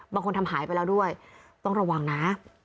บางคนทำหายไปแล้วด้วยต้องระวังนะ